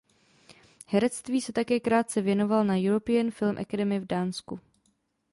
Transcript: Herectví se také krátce věnoval na European Film Academy v Dánsku.